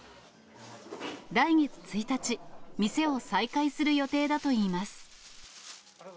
来月１日、店を再開する予定だといいます。